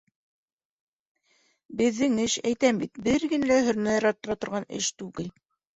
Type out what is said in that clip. Беҙҙең эш, әйтәм бит, бер генә лә һөнәр арттыра торған эш түгел.